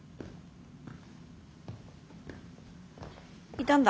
いたんだ。